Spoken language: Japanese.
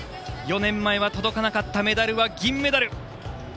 ４年前は届かなかったメダルは銀メダル。